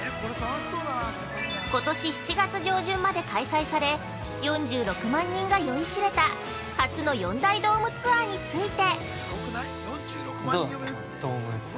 ことし７月上旬まで開催され４６万人が酔いしれた、初の四大ドームツアーについて。